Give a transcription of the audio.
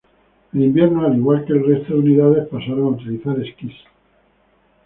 En invierno, al igual que el resto de unidades, pasaron a utilizar esquís.